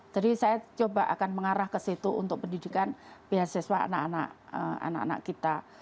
jadi saya coba akan mengarah kesitu untuk pendidikan beasiswa anak anak kita